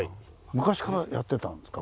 昔からやってたんですか？